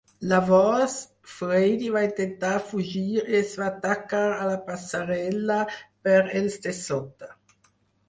Llavors Frady va intentar fugir i es va tacar a la passarel·la per els de sota.